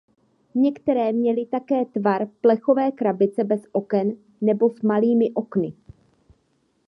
Některé měly také tvar plechové krabice bez oken nebo s malými okny.